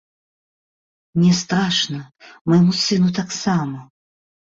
Мне страшна, майму сыну таксама.